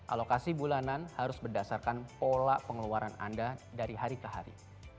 alokasi bulanan harus berdasarkan pola pengeluaran anda dari hari ke hari